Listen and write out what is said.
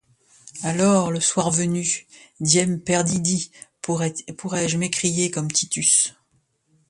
Alors, le soir venu, diem perdidi, pourrai-je m’écrier comme Titus…